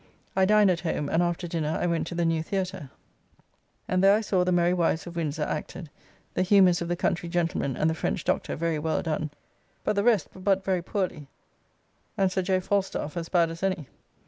I dined at home, and after dinner I went to the new Theatre and there I saw "The Merry Wives of Windsor" acted, the humours of the country gentleman and the French doctor very well done, but the rest but very poorly, and Sir J. Falstaffe t as bad as any.